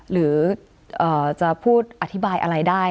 หรือจะพูดอธิบายอะไรได้